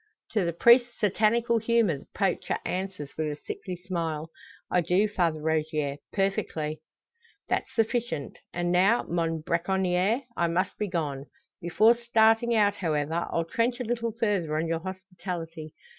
To the priest's satanical humour the poacher answers, with a sickly smile, "I do, Father Rogier; perfectly." "That's sufficient. And now, mon bracconier, I must be gone. Before starting out, however, I'll trench a little further on your hospitality.